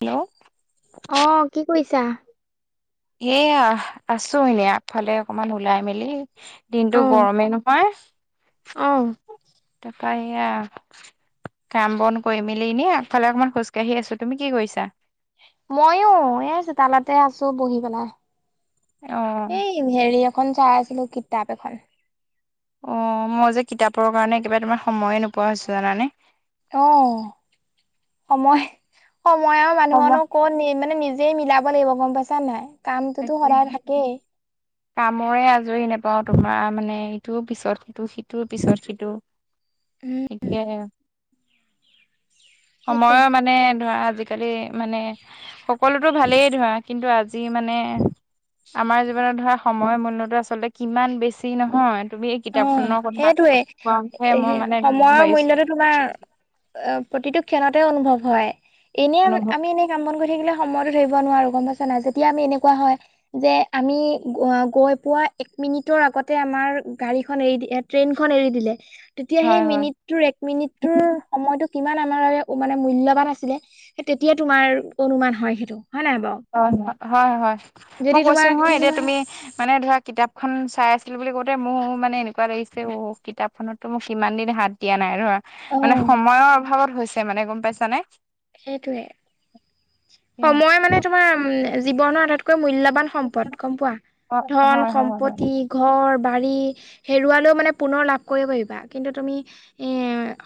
Hello. অ, কি কৰিছা? এয়া আছো এনেই আগফালে অকমান ওলাই মেলি। দিনটো গৰমে নহয়। অঁ। তাপা, এইয়া কাম বন কৰি মেলি ইনে আগফালে অকমান খোজকাঢ়ি আছো। তুমি কি কৰিছা? মইও। এই চোতালাতে আছো বহি পেলাই। অ। এই হেৰি এখন চাই আছিলো, কিতাপ এখন। অ মই যে কিতাপৰ কাৰণে কিবা তোমাৰ সময়ে নোপোৱা হৈছো, জানানে? অ, সময় সময় আৰু মানুহনো ক'ত নিয়ে? মানে নিজেই মিলাব লাগিব, গম পাইছা নাই? কামটোতো সদায় থাকেই [unintelligible] কামৰে আজৰি নেপাও তোমাৰ মানে ইটো পিছত সিটো, সিটো পিছত সিটো। উম এতিয়াহে। সেইটোৱে সময়ৰ মানে ধৰা আজিকালি কালি মানে সকলোতো ভালেই ধৰা কিন্তু আজি মানে আমাৰ জীৱনত ধৰা সময় মূল্যতো আচলতে কিমান বেছি নহয়, তুমি অ কিতাপ খনৰ কথা সেইটোৱে এ কোৱাতহে মই মানে পাৰিছো। অ প্ৰতিটো ক্ষণতে অনুভৱ হয়। এনে আমি, অনুভৱ আমি এনে কাম বন কৰি থাকিলে সময়তো ধৰিব নোৱাৰো, গম পাইছা নাই? যেতিয়া আমি এনেকুৱা হয় যে আমি গৈ পোৱা এক মিনিটৰ আগতে আমাৰ গাড়ীখন এৰি দি ট্ৰেইনখন এৰি দিলে। তেতিয়া সেই হয় হয় মিনিট তোৰ এক মিনিটতোৰ সময়টো কিমান আমাৰ মানে মূল্যবান আছিলে। সেই তেতিয়া তোমাৰ অনুমান হয় সেইটো, হয় নাই বাও। অ হয় হয়, মই কৈছো নহয় এতিয়া তুমি মানে ধৰা কিতাপখন চাই আছিলোঁ বুলি কওঁতে মোৰ মানে এনেকুৱা লাগিছে অ কিতাপখনততো মোক কিমান দিন হাত দিয়া নাই ধৰা অ মানে সময়ৰ অভাৱত হৈছে মানে গম পাইছ নে? সেইটোৱে, সময় মানে তোমাৰ উম জীৱনৰ আটাইতকৈ মূল্যবান সম্পদ গম পোৱা? অ ধন হয় - হয় হয় সম্পত্তি ঘৰ - বাৰী হেৰুৱালেও মানে পুনৰ লাভ কৰিব পাৰিবা কিন্তু তুমি এ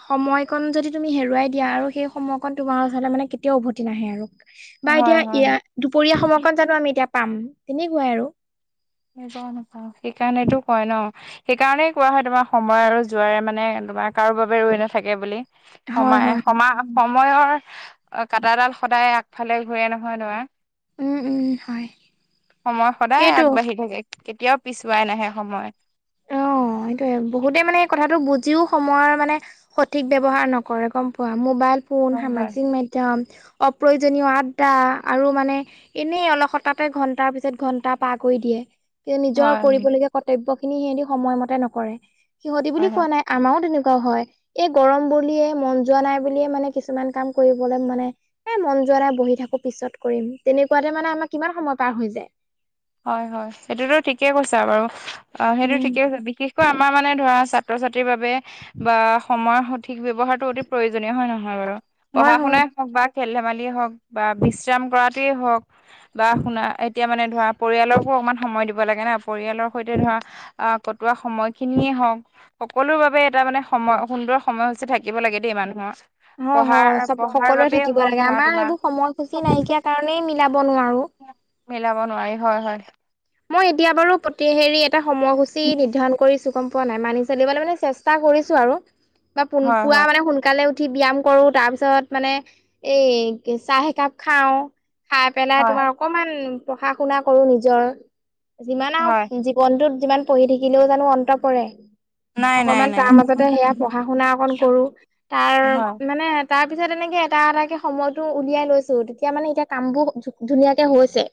সময়কন যদি তুমি হেৰুৱাই দিয়া আৰু সেই সময়কন তোমাৰ ওচৰলে মানে কেতিয়াও উভতি নাহে আৰু। বা হয় এতিয়া হয় হয় ইয়াত দুপৰীয়া সময়কণ জানো আমি এতিয়া পাম তেনেকুৱাই আৰু। নাপাওঁ নাপাওঁ সেইকাৰণেতো কয় ন সেইকাৰণেই কোৱা হয় তোমাৰ সময় আৰু জোৱাৰে মানে তোমাৰ কাৰো বাবে ৰৈ নাথাকে বুলি। হয় সমায়ে হয়, সমা সময়ৰ অ কাটাডাল সদায় আগফালে ঘূৰে নহয় নয়। উম উম হয়। সময় সদায় সেইটো আগবাঢ়ি থাকে, কেতিয়াও পিছুৱাই নাহে সময়। অ সেইটোয়ে, বহুতে মানে এই কথাটো বুজিও সময়ৰ মানে সঠিক ব্যৱহাৰ নকৰে গম পোৱা? মোবাইল ফোন, হয় হয় সামাজিক মাধ্যম অপ্ৰয়োজনীয় আড্ডা আৰু মানে এনেই অলপ হঠাতে ঘণ্টাৰ পিছত ঘণ্টা পাৰ কৰি দিয়ে। কিন্তু নিজৰ হয় কৰিবলগীয়া কৰ্তব্যখিনি সিহঁতি সময়মতে নকৰে, সিহঁতি বুলি হয় হয় কোৱা নাই আমাৰো তেনেকুৱা হয়। এই গৰম বুলিয়ে মন যোৱা নাই বুলিয়ে মানে কিছুমান কাম কৰিবলে মানে এ মন যোৱা নাই বহি থাকো পিছত কৰিম তেনেকুৱাতে মানে আমাৰ কিমান সময় পাৰ হৈ যায়? হয়, হয়, সেইটোতো ঠিকে কৈছা বাৰু, অ' সেইটো উম ঠিকেই কৈছা বিশেষ কৈ আমাৰ মানে ধৰা ছাত্ৰ - ছাত্ৰীৰ বাবে বা সময়ৰ সঠিক ব্যৱহাৰটো অতি প্ৰয়োজনীয় হয় নহয় বাৰু? হয় পঢ়া- হয় শুনাই হওক বা খেল ধেমালিয়ে হওক বা বিশ্ৰাম কৰাতেই হওক বা শুনা এতিয়া মানে ধৰা পৰিয়ালকো অকণমান সময় দিব লাগে না, পৰিয়ালৰ সৈতে ধৰা আহ কটোৱা সময়খিনিয়ে হওক সকলো বাবে এটা মানে সময় সুন্দৰ সময় সূচী থাকিব লাগে দেই মানুহৰ। হয় পঢ়াৰ হয়, চব পঢ়াৰ সকলোৱে বাবেই থাকিব হওক লাগে, ধৰা আমাৰ তোমাৰ এইবোৰ সময়সূচী নাইকিয়া কাৰণেই মিলাব নোৱাৰো। মিলাব নোৱাৰি হয় হয়। মই এতিয়া বাৰু প্ৰতি হেৰি এটা সময়সূচী নিৰ্ধাৰণ কৰিছো। গম পোৱা নাই মানি চলিবলৈ মানে চেষ্টা কৰিছো আৰু বা পোন হয় পুৱা হয় মানে সোনকালে উঠি ব্যায়াম কৰো তাৰ পিছত মানে এই কে চাহ একাপ খাওঁ খাই পেলাই হয় তোমাৰ অকমান পঢ়া- শুনা কৰো নিজৰ যিমান হয় আৰু জীৱনটোত যিমান পঢ়ি থাকিলেও জানো অন্ত পৰে। নাই নাই অকমান নাই তাৰ মাজতে সেয়া পঢ়া - শুনা অকন কৰো হয় তাৰ মানে তাৰ পিছত এনেকে এটা এটাকে সময়তো উলিয়াই লৈছো তেতিয়া মানে এতিয়া কামবোৰ ধু ধুনীয়াকে হৈছে।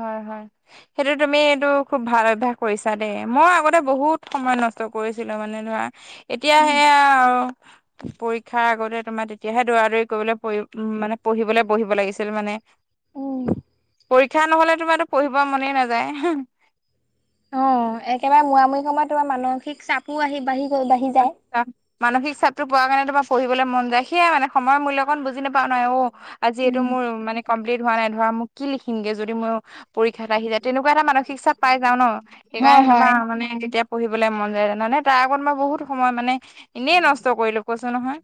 হয়, হয়, সেইটো তুমি এইটো খুব ভাল অভ্যাস কৰিছা দেই, মই আগতে বহুত সময় নষ ট কৰিছিলো মানে ধৰা এতিয়া উম সেয়া আৰু পৰীক্ষাৰ আগতে তোমাৰ তেতিয়াহে দৌৰা - দৌৰি কৰিবলৈ পঢ়ি মানে পঢ়িবলৈ বহিব লাগিছিল মানে। ওম। ক্ষা নহ'লে তোমাৰতো পঢ়িব মনেই নাযায় হু। অ', একেবাৰে মুৰামুৰি সময়ত তোমাৰ মানসিক চাপো আহি বাঢ়ি গৈ বাঢ়ি যায়। [inaudible] মানসিক চাপটো পোৱা কাৰণে তোমাৰ পঢ়িবলৈ মন যায় সেয়াই মানে সময় মূল্য অকমান বুজি নাপাও নাই অ', আজি এইটো উম। মোৰ মানে কমপ্লিট হোৱা নাই, ধৰা মোক কি লিখিনগে যদি মোৰ পৰীক্ষাত আহি যায়, তেনেকুৱা এটা মানসিক চাপ পাই যাওঁ ন'! হয় সেইকাৰণে হয়। তোমাৰ মানে তেতিয়া পঢ়িবলৈ মন যায় জানানে? তাৰ আগত মই বহুত সময় মানে, এনেই নষ্ট কৰিলো কৈছো নহয়।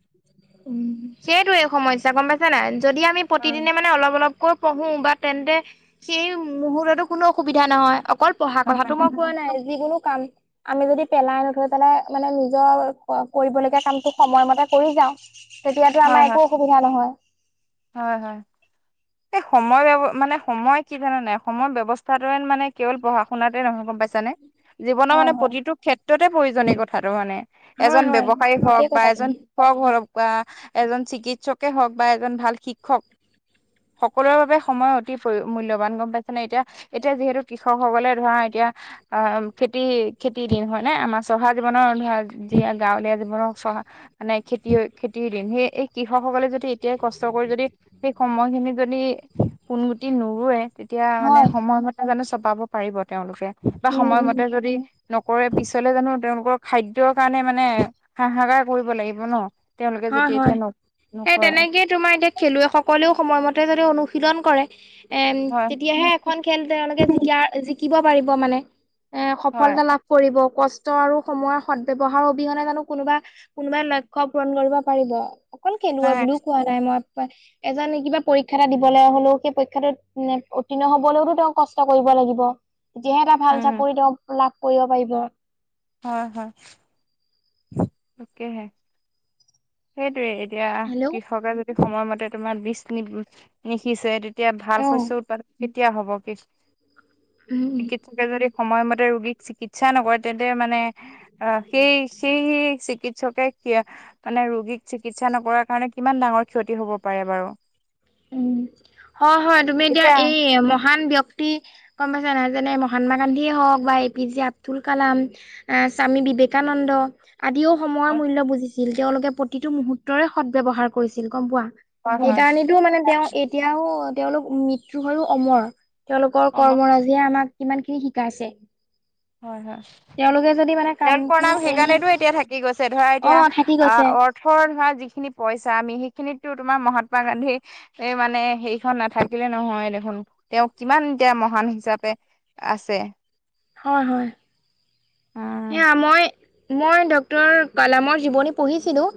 উম, সেইটোয়ে সমস্যা গম পাইছা নে নাই? যদি আমি উম প্ৰতিদিনে মানে অলপ অলপ কৈ পঢ়োঁ বা তেন্তে সেই মুহূৰ্তটো কোনো অসুবিধা নহয়, অকল পঢ়া কথাটো মই কোৱা নাই, যিকোনো কাম আমি যদি পেলাই নথৈ পেলাই মানে নিজৰ ক-কৰিবলগীয়া কামটো সময়মতে কৰি যাওঁ, তেতিয়াতো হয় আমাৰ হয় একো অসুবিধা নহয়। হয়, হয়। এই সময় ব্যয়-মানে সময় কি জানানে নাই, সময় ব্যৱস্থাটোৰে মানে কেৱল পঢ়া শুনাতে নহয় গম পাইছানে? জীৱনৰ হয় মানে হয়। প্ৰতিটো ক্ষেত্ৰতে প্ৰয়োজন এই কথাটো মানে। হয় এজন হয় ব্যৱসায়ী হওঁক ঠিকেই বা কৈছা এজন তুমি। [unintelligible] এজন চিকিৎসকে হওঁক বা এজন ভাল শিক্ষক। সকলোৰে বাবে সময় অতি প্ৰও-মূল্যবান, গম পাই নে এতিয়া, এতিয়া যিহেতু কৃষকসকলে ধৰা এতিয়া অ-ম-খেতি খেতিৰ দিন হয় নে? আমাৰ চহা জীৱনৰ ধৰা জী-জীয়ে গাঁৱলীয়া জীৱনৰ চহা মানে খেতিয়-খেতিৰ দিন, সেই এই কৃষকসকলে যদি এতিয়াই কষ্ট কষ্ট কৰি যদি সেই সময়খিনি যদি সোনগুটি নুৰুৱে, তেতিয়া মানে হয় সময়মতে জানো চপাব পাৰিব তেওঁলোকে? বা উম উম সময়মতে যদি নকৰে পিছলে জানো তেওঁলোকৰ খাদ্যৰ কাৰণে মানে হাহাকাৰ কৰিব লাগিব ন'! তেওঁলোকে হয় যেতিয়া হয়। এতিয়া সেই ন-নকৰে তেনেকেই তোমাৰ এতিয়া খেলুৱৈ সকলেও সময়মতে যদি অনুশীলন কৰে, এন হয় তেতিয়াহে এখন খেল তেওঁলোকে জিকা-জিকিব পাৰিব মানে। এ হয় সফলতা লাভ কৰিব কষ্ট আৰু সময়ৰ সদব্যৱহাৰ অবিহনে জানো কোনোবা-কোনোবা লক্ষ্য পূৰণ কৰিব ব পাৰিব? অকল খেলুৱৈ বুলিও কোৱা নাই মই। পাই এজনে কিবা পৰীক্ষা এটা দিবলৈ হলেওঁ সেই পৰীক্ষাটোত মানে উত্তীৰ্ণ হবলৈওতো তেওঁ কষ্ট কৰিব লাগিব। তেতিয়াহে এটা ভাল উম চাকৰি তেঁও লাভ কৰিব পাৰিব। হয়, হয়। তাকেহে। সেইটোৱে এতিয়া, হেল্ল' অ কৃষকে যদি সময়মতে তোমাৰ বীজ নিব-নিসিচে তে এতিয়া ভাল শস্য উম উৎপাদন কেতিয়া হ'ব? কি- [inaudible] উম চিকিৎসকে যদি সময়মতে ৰোগীক চিকিৎ চ্ছা নকৰে তেন্তে মানে আহ-সেই-সেই-চিকিৎসকে কি মানে ৰোগীক চিকিৎসা নকৰাৰ কাৰণে কিমান ডাঙৰ ক্ষতি হ'ব পাৰে বাৰু! উম, হয়, হয়। তুমি এতিয়া এই মহান ব্যক্তি টি, গম পাইছা নে নাই যেনে মহাত্মা গান্ধীয়ে হওঁক বা A P J Abdul Kalam আহ স্বামী বিবেকানন্দ, আদিও সময়ৰ হয় মূল্য বুজিছিল। তেওঁলোকে প্ৰতিটো মুহূৰ্তৰে সদব্যৱহাৰ কৰিছিল, গম পোৱা? হয় হয় সেইকাৰণেতো মানে তেওঁ এতিয়াও তেওঁলোক মৃত্যু হৈও অমৰ। তেওঁলোকৰ কৰ্মৰাজিয়ে আমাক কিমানখিনি শিকাইছে। হয়, হয়। তেওঁলোকে যদি মানে কাম তেওঁলোকৰ খিনি নাম এৰি সেইকাৰণেটো এতিয়া থাকি গৈছে। ধৰা অ এতিয়া, থাকি গৈছে অ থৰ ধৰা যিখিনি পইছা আমি সিখিনিতো তোমাৰ মহাত্মা গান্ধীৰ এই মানে সেইখন নাথাকিলে নহয় দেখোন, তেওঁ কিমান এতিয়া মহান হিচাপে আছে। হয়, হয়। উম সেয়া মই মই ডক্টৰৰ কালামৰ জীৱনী পঢ়িছিলোঁ।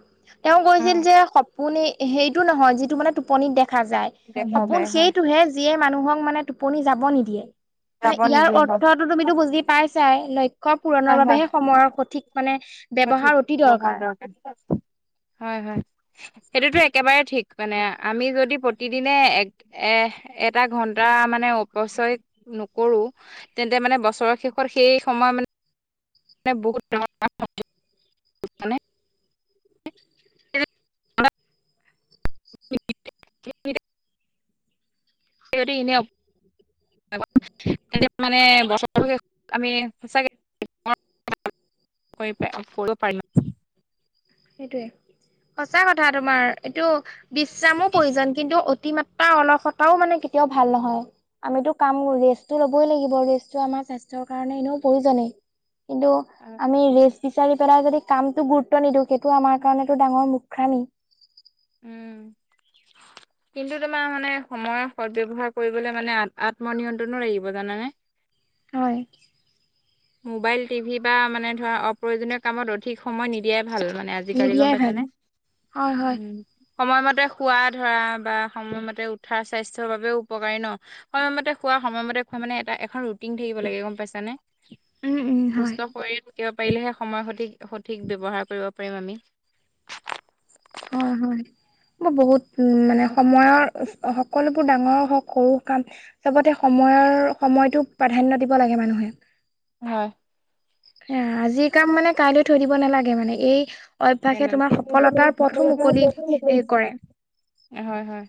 তেওঁ কৈছিল উম যে সপোন সেইটো নহয় যিটো মানে টোপনিত দেখা যায়। দেখা সপোন যায় হয় সেইটোহে যিয়ে মানুহক মানে টোপনি যাব নিদিয়ে। মানে যাব ইয়াৰ নিদিয়ে হয় অৰ্থতো তুমিতো বুজি পাইছাই। লক্ষ্য পূৰণৰ হয় হয় বাবেহে সময়ৰ সঠিক মানে ঠিক ব্যৱহাৰ অতি ব্যৱহাৰ দৰকাৰ। হয় হয়, সেইটোতো একেবাৰে ঠিক মানে আমি যদি প্ৰতিদিনে এক এ এটা ঘণ্টা মানে অপচয় নকৰোঁ। তেন্তে মানে বছৰৰ শেষত সেই সময় মা নে বহুত ডাঙৰ [unintelligible] মানে [unintelligible] যদি এনে মানে বছৰটো শেষত আমি সঁচাকে [unintelligible] কৰি পাই, কৰিব পাৰি। সেইটোৱে সঁচা কথা তোমাৰ এইটো বিশ্ৰামো প্ৰয়োজন কিন্তু অতিমা ত্ৰা অলপটাও মানে কেতিয়াও ভাল নহয়। আমিটো কাম ৰেষ্টটো লবই লাগিব ৰেষ্টটো আমাৰ স্বাস্থ্যৰ কাৰণে এনেও প্ৰয়োজনেই। কিন্তু আৰু আমি ৰেষ্ট বিচাৰি পেলাই যদি কামতো গুৰুত্ব নিদিও সেইটো আমাৰ কাৰণেটো ডাঙৰ মূৰ্খামি। উম। [inaudible] কিন্তু তোমাৰ মানে সময়ৰ সদ ব্যৱহাৰ কৰিবলৈ মানে আত্মনিয়ন্ত্ৰণো লাগিব জানানে? হয়। মোবাইল টিভি বা মানে ধৰা অপ্ৰয়োজনীয় কামত অধিক সময় নিদিয়াই ভাল মানে আ জিকালি গম নিদিয়াই ভাল পাইছানে? হয় হয় উম। সময়মতে খোৱা ধৰা বা সময়মতে উঠাৰ স্বাস্থ্যৰ বাবেও উপকাৰী ন। সময়মতে খোৱা সময়মতে খোৱা মানে এটা এখন ৰুটিন থাকিব লাগে গম পাইছা নে? উম উম হয়। সুস্থ শৰীৰ থাকিব পাৰিলেহে সময় সঠিক সঠিক ব্যৱহাৰ কৰিব পাৰিম আমি। হয় হয়। বহুত উম মানে সময়ৰ সকলোবোৰ ডাঙৰ হওক সৰু কাম চবতে সময়ৰ সময়টো প্ৰাধানয় দিব লাগে মানুহে। হয়। এ আজিৰ কাম মানে কাইলৈ থৈ দিব নালাগে মানে এই অভ্যাসে তোমাৰ সফলতাৰ পথো মুকলি এ কৰে। হয় হয়।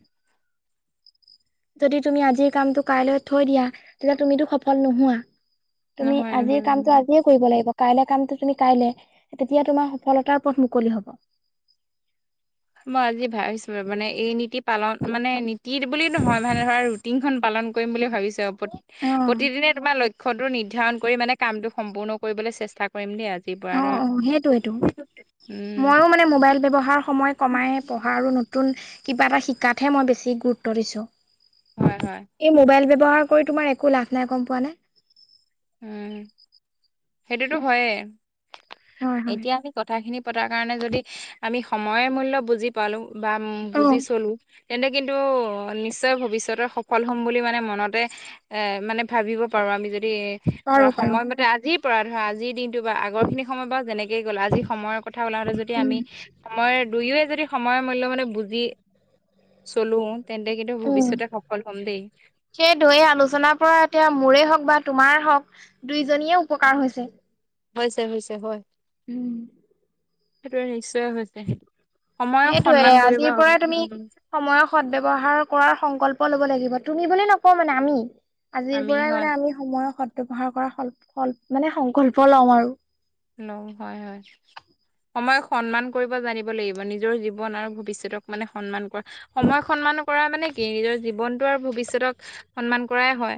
যদি তুমি আজিৰ কামটো কাইলৈ থৈ দিয়া তেন্তে তুমিতো সফল নোহোৱা। তুমি নহয় আজিৰ নহয় কামটো আজিয়ে কৰিব লাগিব। কাইলৈ কামটো তুমি কাইলে তেতিয়া তোমাৰ সফলতাৰ পথ মুকলি হ'ব। মই আজি ভাবিছো বাৰু মানে এই নীতি পালন মানে নীতি বুলি নহয় মানে ধৰা ৰুটিনখন পালন কৰিম বুলি ভাবিছোঁ। প্ৰ অ অ প্ৰতিদিনে তোমাৰ লক্ষটো নিৰ্ধাৰণ কৰি মানে কামটো সম্পূৰ্ণ কৰিবলৈ চেষ্টা কৰিম দেই আজিৰ অঁ পৰা অঁ সেইটোইটো মইয়ো উম মানে মোবাইল ব্যৱহাৰ সময় কমাই পঢ়া আৰু ন তুন কিবা এটা শিকাতহে মই বেছি গুৰুত্ব দিছোঁ। হয় হয়। এই মোবাইল ব্যৱহাৰ কৰি তোমাৰ একো লাভ নাই গম পোৱা নে? উম, সেইটোতো হয়ে হয় হয় এতিয়া আ মি কথাখিনি পতাৰ কাৰণে যদি আমি সময় মূল্য বুজি পালো বা অ বুজি চলো তেন্তে কিন্তু নিশ্চয় ভৱিষ্যতেৰ সফল হম বুলি মানে মনতে এ মানে ভাবিব পাৰো আমি যদি পাৰো ধৰা পাৰো সময়মতে আজিৰ পৰা ধৰা আজিৰ দিনটো বা আগৰখিনি সময় বা যেনেকে গ'ল আজি সময় কথা ওলা হতে যদি উম আমি সময় দুয়োৱে যদি সময়ৰ মূল্য মানে বুজি চলো তেন্তে কিন্তু ভৱিষ্যতে সফল হ'ম দেই। সেই ধৈ আলোচনাৰ পৰা এতিয়া মোৰে হওক বা তোমাৰ হওক দুইজনীয়ে উপকাৰ হৈছে। হৈছে হৈছে হয়। উম সেইটোৱে নিশ্চয় হৈছে সময়ক সেইটোয়ে সন্মান কৰিব আজিৰ পৰাই তুমি সময়ৰ সদ ব্যৱহাৰ কৰাৰ সংকল্প ল'ব লাগিব তুমি বুলি নকওঁ মানে আমি। আজিৰ আমি পৰাই হয় মানে আমি সময়ৰ সদব্যৱহাৰ কৰা সং-সংকল্প লম আৰু। ন হয় হয়। সময়ক সন্মান কৰিব জানিব লাগিব নিজৰ জীৱন আৰু ভৱিষ্যতক মানে সন্মান কৰা সময়ক সন্মান কৰা মানে কি নিজৰ জীৱনটো আৰু ভৱিষ্যতক সন্মান কৰাই হয়।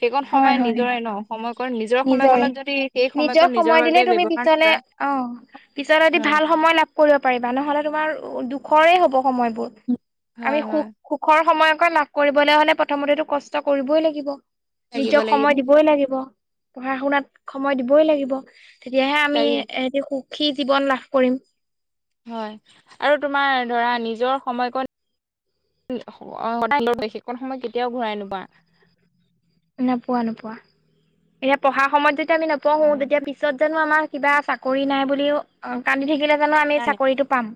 সেইকণ হয় সময়ে হয়। নিজৰে ন সময়কণ নিজৰ সময়কনত যদি সেই সময়কণ নিজৰ বাবে এ তুমি ব্যৱহাৰ তেতিয়াহলে কৰা অ পিচত আজি হয় ভাল সময় কৰিব পাৰিবা নহলে তোমাৰ দুখৰে হ'ব সময়বোৰ আমি হয় সুখ হয় সুখৰ সময়কে লাভ কৰিবলৈ হলে প্ৰথমতেতো কষ্ট কৰিবই লাগিব। লাগিব নিজক লাগিব সময় দিবই লাগিব পঢ়া শুনাত সময় দিবই লাগিব। তেতিয়াহে আমি লাগিব এহঁতি সুখী জীৱন লাভ কৰিম। হয় আৰু তোমাৰ ধৰা নিজৰ সময়কণ [unintelligible] সেইকণ সময় কেতিয়াও ঘূৰাই নোপোৱা। নোপোৱা নোপোৱা এতিয়া পঢ়া সময়ত যদি আমি নপঢ়ো হয় তেতিয়া পিছত জানো আমাৰ কিবা চাকৰি নাই বুলিও অ কান্দি থাকিলে জানো আমি জানে চাকৰিটো পাম?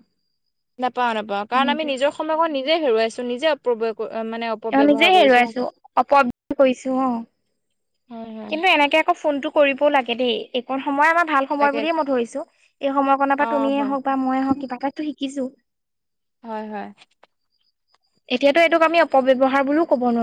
নাপাও নাপাও কাৰণ আমি সেইটোয়েতো নিজৰ সময়কণ নিজে হেৰুৱাইছো নিজে অপ্প্ৰয়োগ মানে এ অপব্যৱহাৰ নিজেই কৰিছো হেৰুৱাইছো অপ [unintelligible] কৰিছো অ। হয় হয় কিন্তু এনেকে আকৌ ফোনটো কৰিবও লাগে দেই একণ সময় আমাৰ ভাল সময় লাগে বুলিয়ে মই ধৰিছো এই সময় কণনৰ অ পৰা তুমিয় হয় হওক বা ময়েই হওক কিবা এটাতো শিকিছো। হয় হয় এতিয়াটো এইটোক আমি অপব্যৱহাৰ বুলিও কব নোৱাৰো।